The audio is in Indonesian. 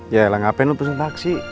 ya elah ngapain lo pesan taksi